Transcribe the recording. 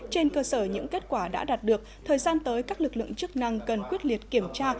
trên cơ sở những kết quả đã đạt được thời gian tới các lực lượng chức năng cần quyết liệt kiểm tra